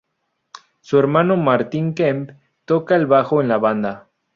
Su hermano Martin Kemp toca el bajo en la banda.